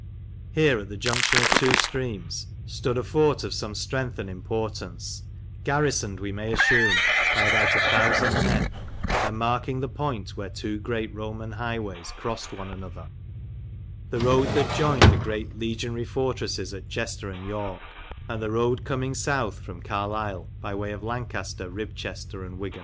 Here, at the junction of two streams, stood a fort of some strength and importance, garrisoned, we may assume, by about a thousand men, and marking the point where two great Roman highways crossed one another the road that joined the great legionary 44 MEMORIALS OF OLD LANCASHIRE fortresses at Chester and York, and the road coming south from Carlisle by way of Lancaster, Ribchester, and Wigan.